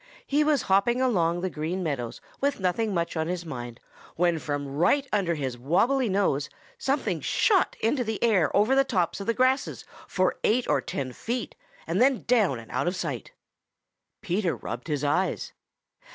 He was hopping along across the Green Meadows with nothing much on his mind when from right under his wobbly nose something shot into the air over the tops of the grasses for eight or ten feet and then down and out of sight. Peter rubbed his eyes.